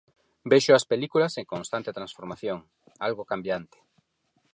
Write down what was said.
Vexo as películas en constante transformación, algo cambiante.